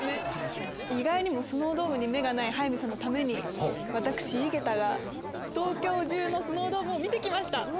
意外にもスノードームに目がない速水さんのために私井桁が東京中のスノードームを見て来ました！